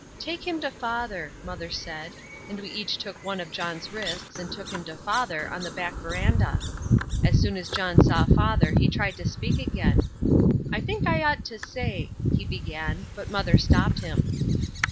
"Take him to Father," Mother said, and we each took one of John's wrists and took him to Father on the back verandah. As soon as John saw Father he tried to speak again "I think I ought to say," he began, but Mother stopped him.